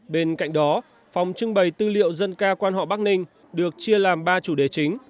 bên cạnh đó phòng trưng bày tư liệu dân ca quan họ bắc ninh được chia làm ba chủ đề chính